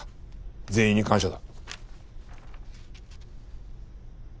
全員に感謝だ。